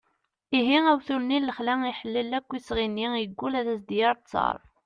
ihi awtul-nni n lexla iḥellel akk isɣi-nni yeggul ad as-d-yerr ttar